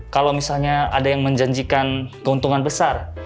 kalau misalnya ada yang menjanjikan keuntungan besar